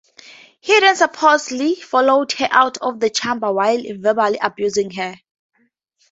He then supposedly followed her out of the chamber while verbally abusing her.